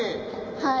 はい。